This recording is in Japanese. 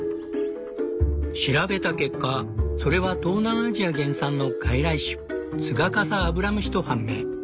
調べた結果それは東南アジア原産の外来種ツガカサアブラムシと判明。